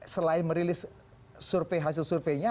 selain merilis survei hasil surveinya